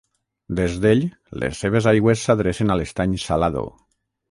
Des d'ell, les seves aigües s'adrecen a l'Estany Salado.